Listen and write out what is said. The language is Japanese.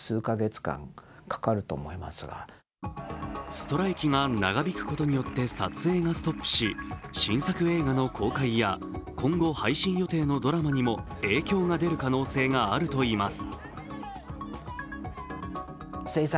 ストライキが長引くことによって撮影がストップし新作映画の公開や今後配信予定のドラマにも影響が出る可能性があるといいます。